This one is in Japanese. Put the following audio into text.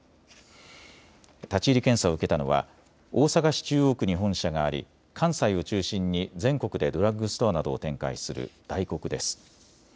立ち入り検査を受けたのは大阪市中央区に本社があり関西を中心に全国でドラッグストアなどを展開するダイコクです。